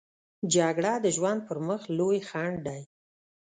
جګړه د ژوند پر مخ لوی خنډ دی